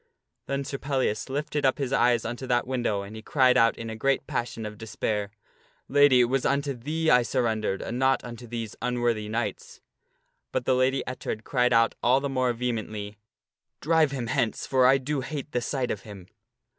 Then Sir Pellias lifted up his eyes unto that window and he cried out in a great passion of despair, " Lady, it was unto thee I surrendered, and not unto these unworthy knights." But the Lady Ettard cried out all the more vehemently, "Drive him hence, for I do hate the sight of him."